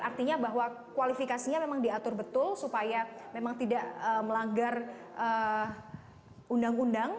artinya bahwa kualifikasinya memang diatur betul supaya memang tidak melanggar undang undang